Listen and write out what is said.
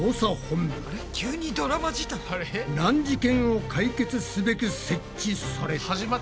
難事件を解決すべく設置された。